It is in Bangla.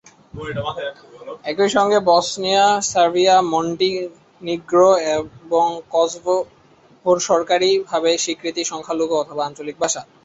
একই সঙ্গে বসনীয় সার্বিয়া, মন্টিনিগ্রো এবং কসোভোর সরকারীভাবে স্বীকৃত সংখ্যালঘু অথবা আঞ্চলিক ভাষা।